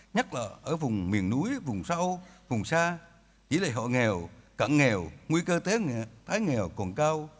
nhất là ở vùng miền núi vùng sâu vùng xa tỷ lệ hộ nghèo cận nghèo nguy cơ tái nghèo còn cao